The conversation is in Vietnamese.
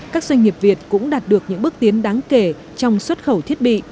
các doanh nghiệp việt cũng đạt được những bước tiến đáng kể trong xuất khẩu thiết bị